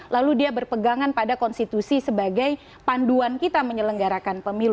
lalu dia berpegangan pada konstitusi sebagai panduan kita menyelenggarakan pemilu